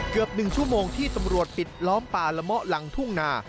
เกือบ๑ชั่วโมงที่ตำรวจปิดล้อมป่าละเมาะหลังทุ่งนา